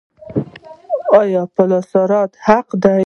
آیا پل صراط حق دی؟